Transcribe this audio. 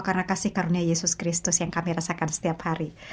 karena kasih karunia yesus kristus yang kami rasakan setiap hari